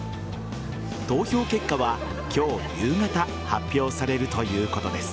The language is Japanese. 投票結果は今日夕方発表されるということです。